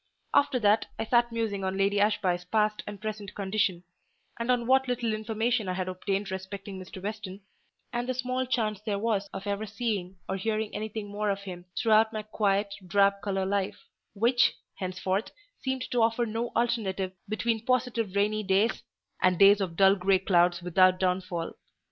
After that, I sat musing on Lady Ashby's past and present condition; and on what little information I had obtained respecting Mr. Weston, and the small chance there was of ever seeing or hearing anything more of him throughout my quiet, drab colour life: which, henceforth, seemed to offer no alternative between positive rainy days, and days of dull grey clouds without downfall.